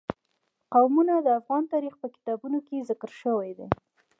قومونه د افغان تاریخ په کتابونو کې ذکر شوی دي.